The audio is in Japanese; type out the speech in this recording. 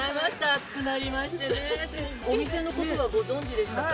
暑くなりましてね、お店のことはご存じでしたか。